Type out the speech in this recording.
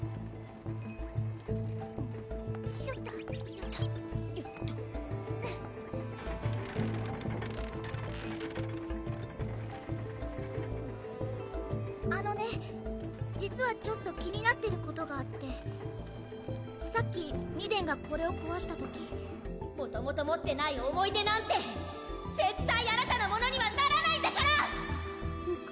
しょっとよっとよっとフッあのね実はちょっと気になってることがあってさっきミデンがこれをこわした時もともと持ってない思い出なんて絶対あなたのものにはならないんだから！